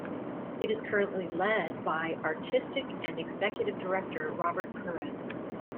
It is currently led by Artistic and Executive Director Robert Curran.